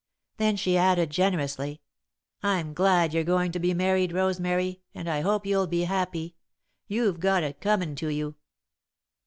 Then she added, generously, "I'm glad you're goin' to be married, Rosemary, and I hope you'll be happy. You've got it comin' to you."